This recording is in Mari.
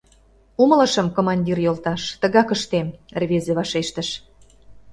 — Умылышым, командир йолташ, тыгак ыштем, — рвезе вашештыш.